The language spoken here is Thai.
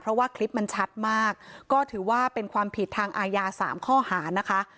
เพราะว่าคลิปมันชัดมากก็ถือว่าเป็นความผิดทางอาญา๓ข้อหานะคะ